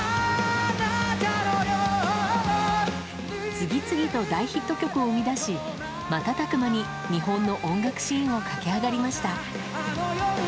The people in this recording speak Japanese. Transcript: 次々と大ヒット曲を生み出し瞬く間に日本の音楽シーンを駆け上がりました。